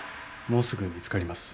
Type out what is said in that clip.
もうすぐ見つかります。